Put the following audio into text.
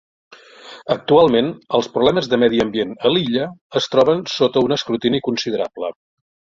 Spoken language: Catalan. Actualment, els problemes de medi ambient a l"illa es troben sota un escrutini considerable.